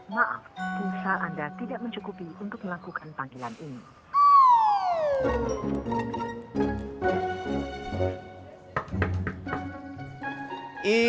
maaf bisa anda tidak mencukupi untuk melakukan panggilan ini